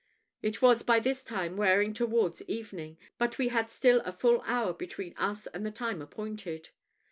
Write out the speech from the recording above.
It was by this time wearing towards evening; but we had still a full hour between us and the time appointed.